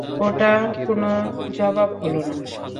ওটা কোনো জবাব হল না।